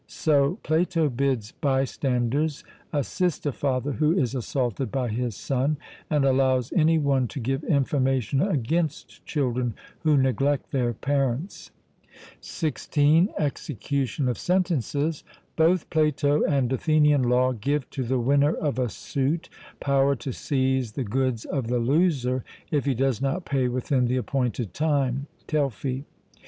So Plato bids bystanders assist a father who is assaulted by his son, and allows any one to give information against children who neglect their parents. (16) Execution of sentences. Both Plato and Athenian law give to the winner of a suit power to seize the goods of the loser, if he does not pay within the appointed time (Telfy).